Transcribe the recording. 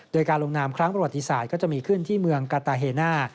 โดยการลงนามครั้งประวัติศาสตร์ก็จะมีขึ้นที่เมืองกาตาเฮน่า